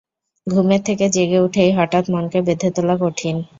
ঘুমের থেকে জেগে উঠেই হঠাৎ মনকে বেঁধে তোলা কঠিন।